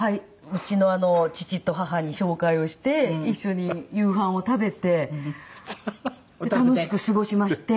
うちの父と母に紹介をして一緒に夕飯を食べて楽しく過ごしまして。